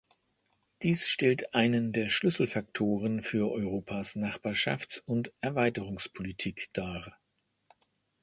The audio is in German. Dies stellt einen der Schlüsselfaktoren für Europas Nachbarschafts- und Erweiterungspolitik dar.